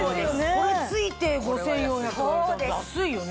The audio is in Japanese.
これ付いて５４００安いよね？